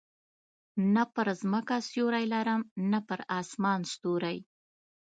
نه پر مځکه سیوری لرم، نه پر اسمان ستوری.